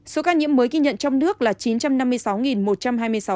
số ca nhiễm mới ghi nhận trong nước là chín trăm năm mươi sáu một trăm hai mươi sáu ca